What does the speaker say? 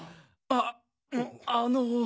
あっあの。